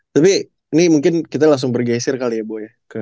tapi ini mungkin kita langsung bergeser kali ya bo